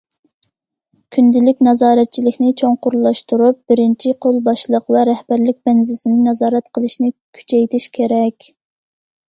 كۈندىلىك نازارەتچىلىكنى چوڭقۇرلاشتۇرۇپ،« بىرىنچى قول باشلىق» ۋە رەھبەرلىك بەنزىسىنى نازارەت قىلىشنى كۈچەيتىش كېرەك.